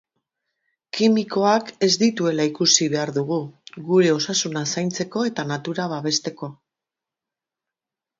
Kimikoak ez dituela ikusi behar dugu, gure osasuna zaintzeko eta natura babesteko.